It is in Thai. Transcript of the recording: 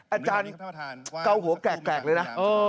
อาจารย์เกาหัวแกรกเลยนะ